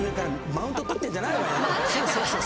マウントとってんじゃないわよ！